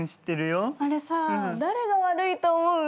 あれさ誰が悪いと思う？